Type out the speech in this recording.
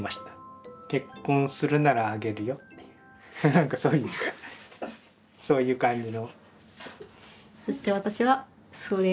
なんかそういうそういう感じの。